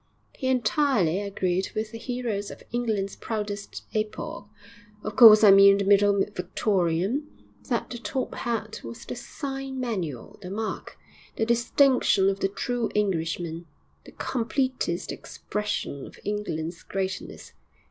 He entirely agreed with the heroes of England's proudest epoch of course I mean the middle Victorian that the top hat was the sign manual, the mark, the distinction of the true Englishman, the completest expression of England's greatness.